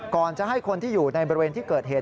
ก่อนจะให้คนที่อยู่ในบริเวณที่เกิดเหตุ